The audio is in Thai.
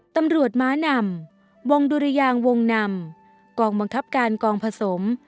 ม้านำวงดุรยางวงนำกองบังคับการกองผสม